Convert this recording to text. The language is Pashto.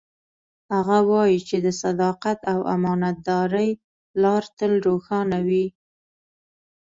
هغه وایي چې د صداقت او امانتدارۍ لار تل روښانه وي